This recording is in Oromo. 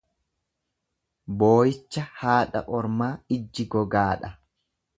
Booyicha haadha ormaa ijji gogaadha.